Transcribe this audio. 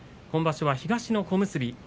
今場所は東の小結。